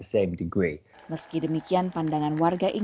saya tidak yakin pemimpin dunia akan